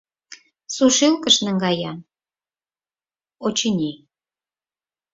Сушилкыш наҥгая, очыни.